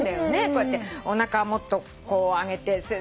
こうやっておなかはもっとこう上げて。